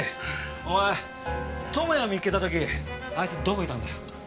お前友也を見つけた時あいつどこいたんだよ？